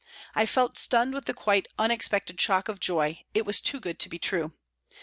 I felt stunned with the quite unexpected shock of joy, it was too good to be true.